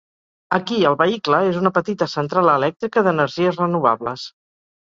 Aquí el vehicle, és una petita central elèctrica d'energies renovables.